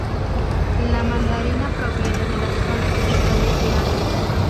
La mandarina proviene de las zonas tropicales de Asia.